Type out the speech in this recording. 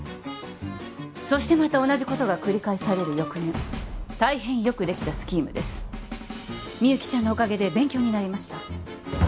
そしてまた同じことが繰り返される翌年大変よくできたスキームですみゆきちゃんのおかげで勉強になりました